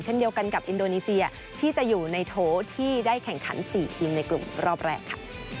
เช่นเดียวกันกับอินโดนีเซียที่จะอยู่ในโถที่ได้แข่งขัน๔ทีมในกลุ่มรอบแรกค่ะ